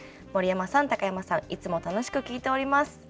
「森山さん高山さんいつも楽しく聴いております」。